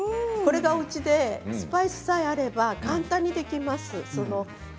おうちでスパイスさえあれば簡単にできます。